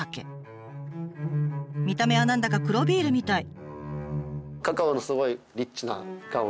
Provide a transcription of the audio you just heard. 見た目は何だか黒ビールみたい。